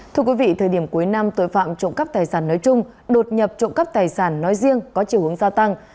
thưa quý vị thời điểm cuối năm tội phạm trộm cắp tài sản nói chung đột nhập trộm cắp tài sản nói riêng có chiều hướng gia tăng